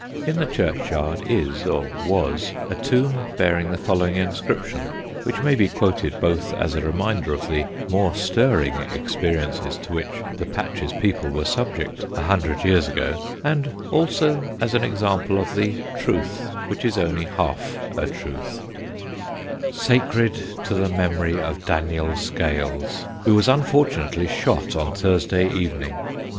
In the churchyard is, or was, a tomb bearing the following inscription, which may be quoted both as a reminder of the more stirring experiences to which the Patcham people were subject a hundred years ago, and also as an example of the truth which is only half a truth: [Sidenote: SMUGGLER AND EXEMPLAR] Sacred to the memory of Daniel Scales, who was unfortunately shot on Thursday Evening, Nov.